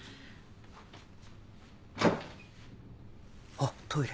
あっトイレ。